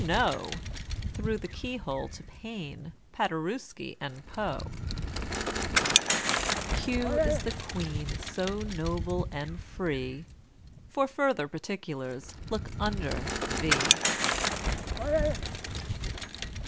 No!" Through the keyhole to =P=aine, =P=aderewski, and =P=oe. =Q= is the =Q=ueen, so noble and free _For further particulars look under V.